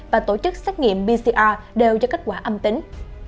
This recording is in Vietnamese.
và tổ chức xét nghiệm pcr đều cho kết quả âm tính